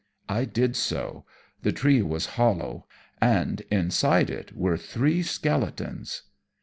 I did so. The tree was hollow, and inside it were three skeletons!